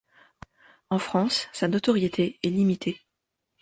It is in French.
En France, sa notoriété est limitée.